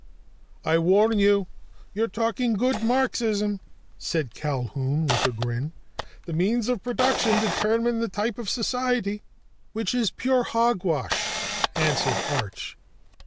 "I warn you, you're talking good Marxism," said Culquhoun with a grin. "The means of production determine the type of society." "Which is pure hogwash," answered Arch.